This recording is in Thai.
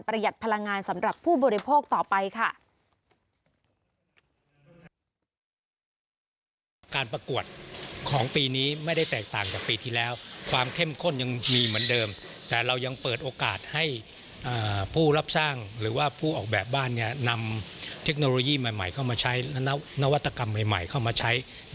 หัดพลังงานสำหรับผู้บริโภคต่อไปค่ะ